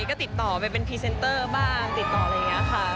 ก็ติดต่อไปเป็นพรีเซนเตอร์บ้างติดต่ออะไรอย่างนี้ค่ะ